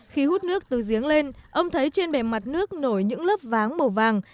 khi hút nước từ giếng lên ông thấy trên bề mặt nước nổi những lớp váng màu vàng